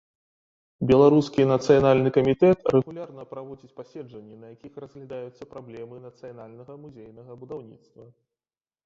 Беларускі нацыянальны камітэт рэгулярна праводзіць паседжанні, на якіх разглядаюцца праблемы нацыянальнага музейнага будаўніцтва.